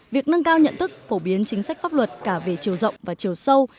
việc nâng cao nhận thức phổ biến chính sách pháp luật cả về chiều rộng và chiều sâu